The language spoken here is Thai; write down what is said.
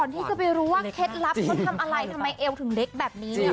ที่จะไปรู้ว่าเคล็ดลับเขาทำอะไรทำไมเอวถึงเล็กแบบนี้เนี่ย